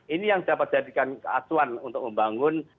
ini yang dapat menjadikan keatuan untuk membangun